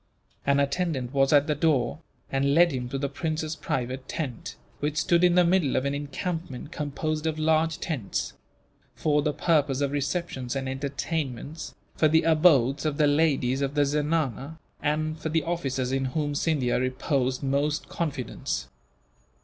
An attendant was at the door, and led him to the prince's private tent, which stood in the middle of an encampment composed of large tents; for the purpose of receptions and entertainments, for the abodes of the ladies of the zenana, and for the officers in whom Scindia reposed most confidence.